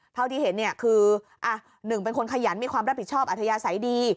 เท่าที่เห็นเนี่ยคือหนึ่งเป็นคนขยันมีความรับผิดชอบอัธยาศัยดี